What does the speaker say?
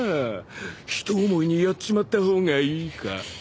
ひと思いにやっちまった方がいいか？